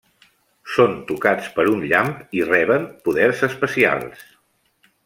Són tocats per un llamp i reben poders especials.